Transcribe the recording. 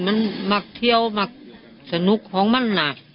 มันหมักเที่ยวหมักสนุกของมันหนัก